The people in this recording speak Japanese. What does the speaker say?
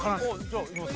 じゃあいきます。